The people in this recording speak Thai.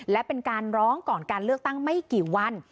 และเป็นการร้องก่อนการเลือกตั้งไม่กี่วัน